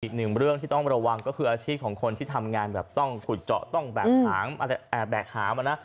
อีกหนึ่งเรื่องที่ต้องระวังก็คืออาชีพของคนที่ทำงานแบบต้องขุดเจาะต้องแบกหามแบกหามมานะ